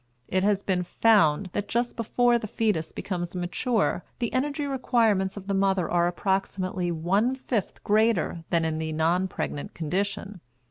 It has been found that just before the fetus becomes mature the energy requirements of the mother are approximately one fifth greater than in the non pregnant condition.